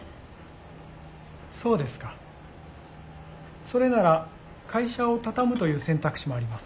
・そうですかそれなら会社を畳むという選択肢もあります。